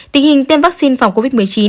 tình hình tiêm vaccine phòng covid một mươi chín